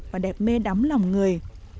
và đẹp mê đắm lòng người